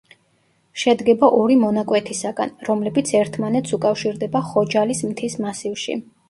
შედგება ორი მონაკვეთისაგან, რომლებიც ერთმანეთს უკავშირდება ხოჯალის მთის მასივში.